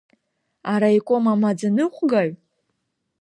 Араиком амаӡаныҟәгаҩ?